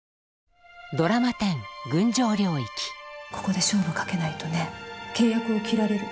ここで勝負かけないとね契約を切られる。